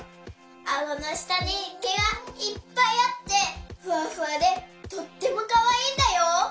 あごのしたにけがいっぱいあってふわふわでとってもかわいいんだよ。